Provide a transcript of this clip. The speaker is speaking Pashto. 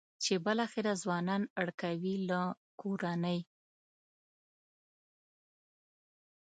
چې بالاخره ځوانان اړ کوي له کورنۍ.